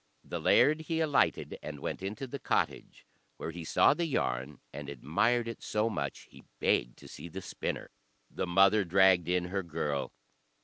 The laird, he alighted and went into the cottage, where he saw the yarn, and admired it so much he begged to see the spinner. The mother dragged in her girl.